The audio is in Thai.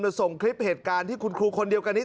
ส่งคลิปเหตุการณ์ที่คุณครูคนเดียวกันนี้